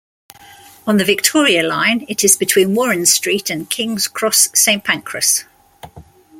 On the Victoria line it is between Warren Street and King's Cross Saint Pancras.